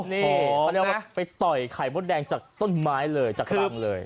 นี่ไปต่อยไข่มดแดงจากต้นไม้เลยจากกลางเลย